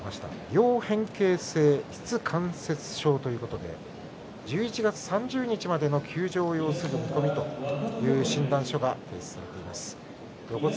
両変形性しつ関節症１１月３０日までの休場を要する見込みとという診断書が提出されています。